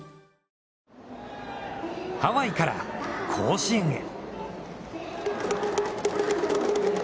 ハワイから甲子園へ。